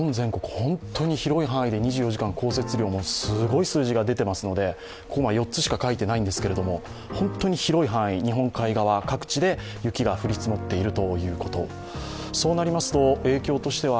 本当に広い範囲で２４時間降雪量もすごい数字が出てますので４つしか書いていないんですけれども、本当に広い範囲、日本海側各地で雪が降り積もっています。